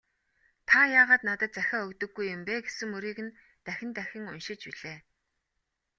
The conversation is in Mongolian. "Та яагаад надад захиа өгдөггүй юм бэ» гэсэн мөрийг нь дахин дахин уншиж билээ.